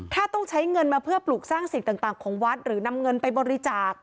ถ้าต้องใช้เงินมาเพื่อปลูกสร้างสิ่งต่างของวัดหรือนำเงินไปบริจาค